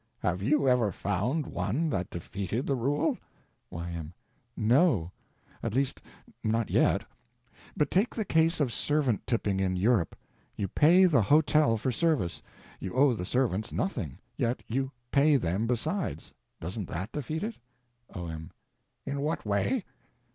Have you ever found one that defeated the rule? Y.M. No—at least, not yet. But take the case of servant—tipping in Europe. You pay the hotel for service; you owe the servants nothing, yet you pay them besides. Doesn't that defeat it? O.M. In what way?